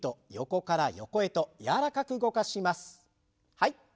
はい。